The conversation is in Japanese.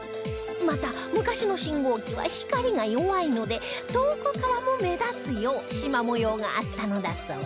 また昔の信号機は光が弱いので遠くからも目立つようしま模様があったのだそう